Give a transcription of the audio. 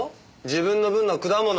自分の分の果物。